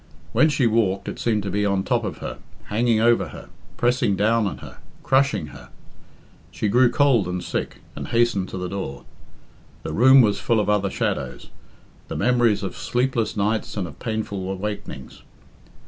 When she walked it seemed to be on top of her, hanging over her, pressing down on her, crushing her. She grew cold and sick, and hastened to the door. The room was full of other shadows the memories of sleepless nights and of painful awakenings.